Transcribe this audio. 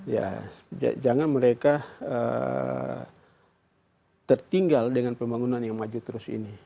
ya jangan mereka tertinggal dengan pembangunan yang maju terus ini